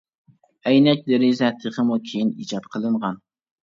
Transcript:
ئەينەك دېرىزە تېخىمۇ كېيىن ئىجاد قىلىنغان.